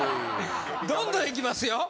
どんどんいきますよ。